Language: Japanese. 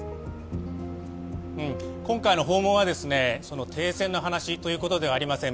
今回の訪問は停戦の話ということではありません。